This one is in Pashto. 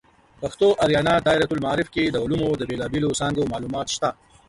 پښتو آریانا دایرة المعارف کې د علومو د بیلابیلو څانګو معلومات شته.